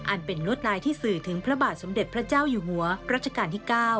อันเป็นลวดลายที่สื่อถึงพระบาทสมเด็จพระเจ้าอยู่หัวรัชกาลที่๙